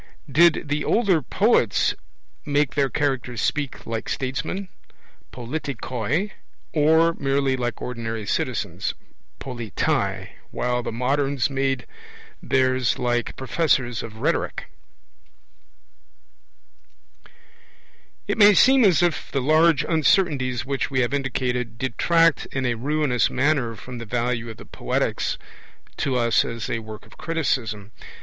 Did the older poets make their characters speak like 'statesmen', politikoi, or merely like ordinary citizens, politai, while the moderns made theirs like 'professors of rhetoric'? (Chapter VI, p. 38; cf. Margoliouth's note and glossary). It may seem as if the large uncertainties which we have indicated detract in a ruinous manner from the value of the Poetics to us as a work of criticism.